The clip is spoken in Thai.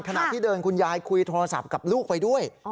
ขณะที่เดินคุณยายคุยโทรศัพท์กับลูกไปด้วย